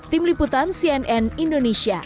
tim liputan cnn indonesia